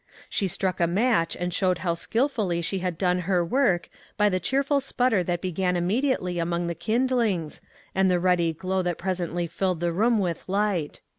She struck a match and showed how skillfully she had done her work by the cheerful sputter that began imme diately among the kindlings, and the ruddy glow that presently filled the room with light.